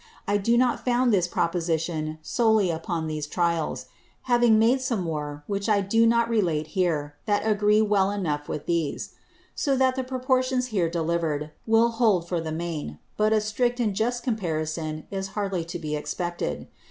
I do not found this Proposition solely upon these Trials; having made some more, which I do not relate here, that agree well enough with these. So that the Proportions here deliver'd, will hold for the main; but a strict and just Comparison is hardly to be expected.